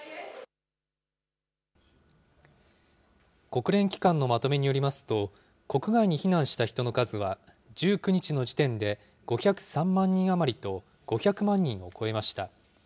国連機関のまとめによりますと、国外に避難した人の数は、１９日の時点で５０３万人余りと、５００万人を超えました。